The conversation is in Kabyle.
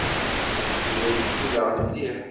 Yuba iceffu daɣen mliḥ.